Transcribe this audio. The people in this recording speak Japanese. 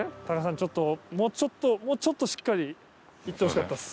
ちょっともうちょっともうちょっとしっかりいってほしかったです。